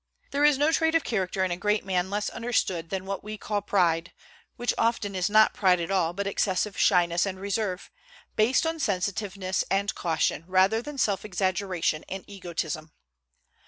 There is no trait of character in a great man less understood than what we call pride, which often is not pride at all, but excessive shyness and reserve, based on sensitiveness and caution rather than self exaggeration and egotism.